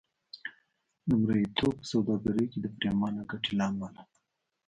د مریتوب په سوداګرۍ کې د پرېمانه ګټې له امله.